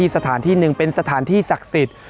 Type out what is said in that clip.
สถานที่หนึ่งเป็นสถานที่ศักดิ์สิทธิ์